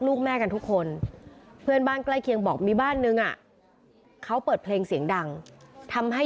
ลูกแม่กันทุกคนเพื่อนบ้านใกล้เคียงบอกมีบ้านนึงอ่ะเขาเปิดเพลงเสียงดังทำให้